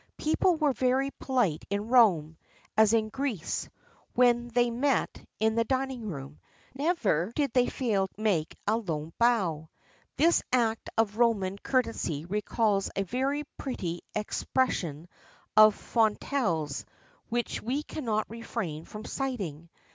People were very polite in Rome, as in Greece, when they met in the dining room. Never did they fail to make a low bow.[XXXIV 11] This act of Roman courtesy recalls a very pretty expression of Fontenelle's, which we cannot refrain from citing.